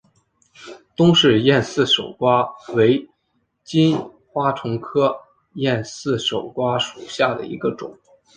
东氏艳拟守瓜为金花虫科艳拟守瓜属下的一个种。